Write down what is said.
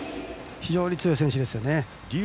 非常に強い選手ですね。